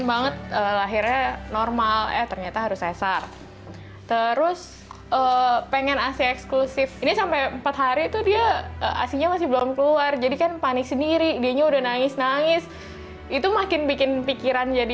semua udah ditempahin deh ke suami